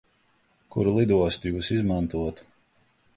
Kuru lidostu Jūs izmantotu?